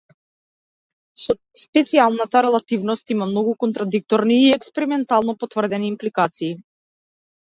Специјалната релативност има многу контрадикторни и експериментално потврдени импликации.